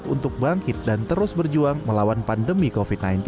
untuk bangkit dan terus berjuang melawan pandemi covid sembilan belas